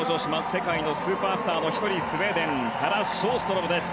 世界のスーパースターの１人スウェーデンサラ・ショーストロムです。